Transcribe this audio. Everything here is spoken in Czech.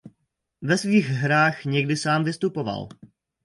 Ve svých hrách někdy sám vystupoval.